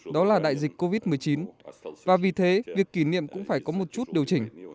đó là đại dịch covid một mươi chín và vì thế việc kỷ niệm cũng phải có một chút điều chỉnh